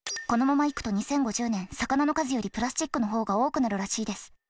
このままいくと２０５０年魚の数よりプラスチックの方が多くなるらしいです。